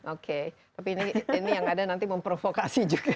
oke tapi ini yang ada nanti memprovokasi juga